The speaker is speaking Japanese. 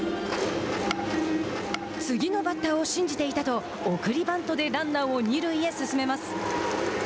「次のバッターを信じていた」と送りバントでランナーを二塁へ進めます。